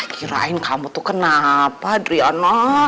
kirain kamu tuh kenapa adriono